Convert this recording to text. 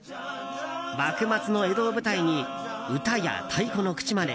幕末の江戸を舞台に歌や、太鼓の口まね